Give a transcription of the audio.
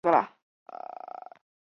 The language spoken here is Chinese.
葡萄状肉瘤中被检查出。